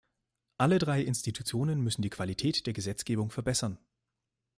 Alle drei Institutionen müssen die Qualität der Gesetzgebung verbessern.